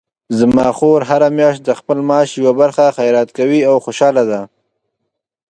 زما خور هره میاشت د خپل معاش یوه برخه خیرات کوي او خوشحاله ده